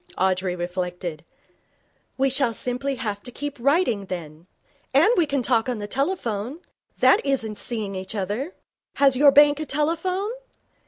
Audrey reflected. 'We shall simply have to keep writing, then. And we can talk on the telephone. That isn't seeing each other. Has your bank a telephone?'